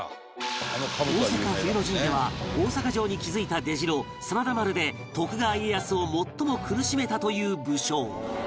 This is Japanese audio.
大坂冬の陣では大阪城に築いた出城真田丸で徳川家康を最も苦しめたという武将